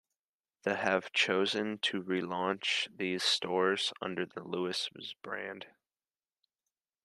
The have chosen to relaunch these stores under the Lewis's brand.